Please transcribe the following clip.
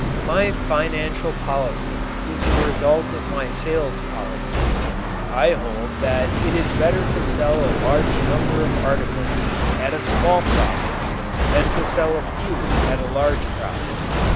My financial policy is the result of my sales policy. I hold that it is better to sell a large number of articles at a small profit than to sell a few at a large profit.